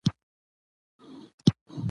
کله به مې ښځو ته کتل